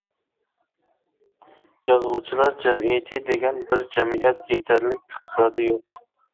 يازغۇچىلار جەمئىيىتى دېگەن بىر جەمئىيەت يېتەرلىك ئىقتىسادى يوق.